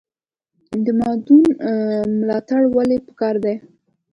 د مادون ملاتړ ولې پکار دی؟